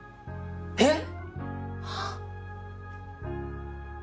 えっ！？